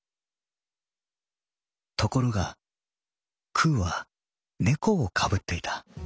ところがくうは猫をかぶっていた」。